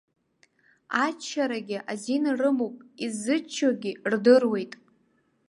Аччарагь азин рымоуп, иззыччогьы рдыруеит.